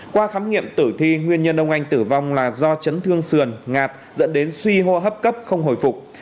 qua khám nghiệm tử thi nguyên nhân ông anh tử vong là do chấn thương sườn ngạt dẫn đến suy hô hấp cấp không hồi phục